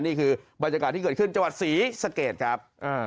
นี่คือบรรยากาศที่เกิดขึ้นจังหวัดศรีสะเกดครับ